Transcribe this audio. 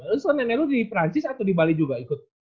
lu suka nenek lu di prancis atau di bali juga ikut